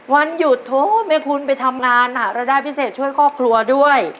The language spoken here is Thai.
วันหยุดโถแม่คุณไปทำงานหารายได้พิเศษช่วยครอบครัวด้วย